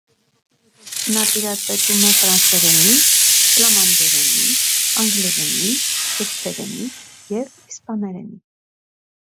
Նա տիրապետում է ֆրանսերենի, ֆլամանդերենի, անգլերենի, թուրքերենի և իսպաներենի։